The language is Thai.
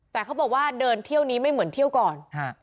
แต่เขาบอกว่าเดินเที่ยวนี้ไม่เหมือนเที่ยวก่อน